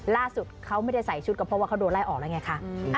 ล่าสุดเขาไม่ได้ใส่ชุดก็เพราะว่าเขาโดนไล่ออกแล้วไงคะ